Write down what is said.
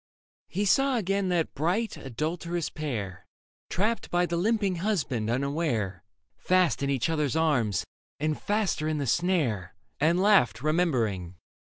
He saw again that bright, adulterous pair. Trapped by the limping husband unaware, Fast in each other's arms, and faster in the snare — And laughed remembering.